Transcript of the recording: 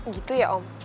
gitu ya om